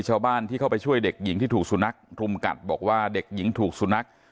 ชาวบ้านที่เข้าไปช่วยเด็กหญิงที่ถูกสุนัขรุมกัดบอกว่าเด็กหญิงถูกสุนัข